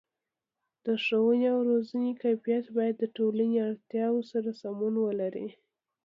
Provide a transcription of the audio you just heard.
د ښوونې او روزنې کیفیت باید د ټولنې اړتیاو سره سمون ولري.